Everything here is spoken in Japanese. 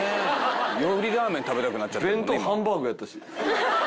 よりラーメン食べたくなっちゃった今。